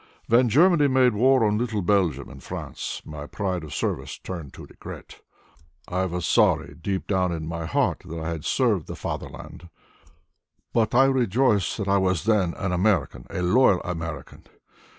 "When Germany made war on little Belgium and France my pride of service turned to regret. I was sorry deep down in my heart that I had served the Fatherland, but I rejoiced that I was then an American, a loyal American.